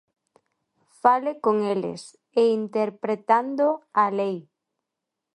Fale con eles, e interpretando a lei.